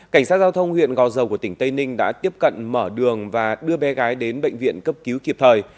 cảnh sát giao thông huyện gò dầu của tỉnh tây ninh đã tiếp cận mở đường và đưa bé gái đến bệnh viện cấp cứu kịp thời